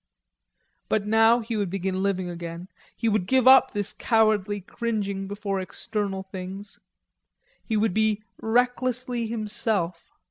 But now he would begin living again. He would give up this cowardly cringing before external things. He would be recklessly himself.